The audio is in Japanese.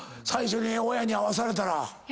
最初に親に会わされたら。